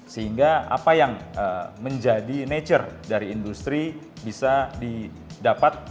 sehingga apa yang menjadi nature dari industri bisa didapat